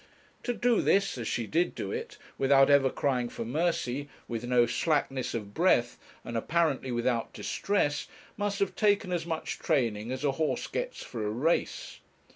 To do this, as she did do it, without ever crying for mercy, with no slackness of breath, and apparently without distress, must have taken as much training as a horse gets for a race.